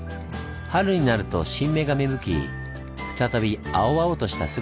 春になると新芽が芽吹き再び青々とした姿になるんです。